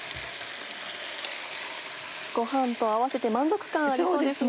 ご飯と合わせて満足感ありそうですね。